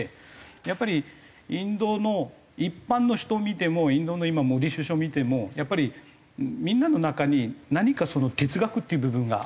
やっぱりインドの一般の人を見てもインドの今モディ首相を見てもやっぱりみんなの中に何か哲学っていう部分があると思う。